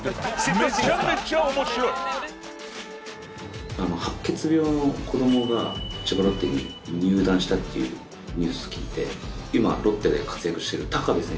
白血病の子どもが千葉ロッテに入団したっていうニュース聞いて今ロッテで活躍してる部選手。